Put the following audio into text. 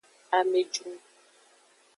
Amejru.